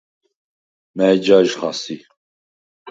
მა̈ჲ ჯაჟხა სი?